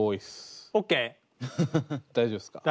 大丈夫っすか？